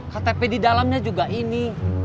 ktp di dalamnya juga ini